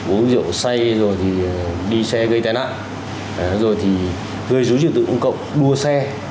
uống rượu say rồi thì đi xe gây tai nạn rồi thì gây dối trật tự công cộng đua xe